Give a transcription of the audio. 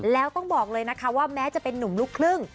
แล้วต้องบอกเลยนะคะว่าแม้จะเป็นนุ่มลูกครึ่ง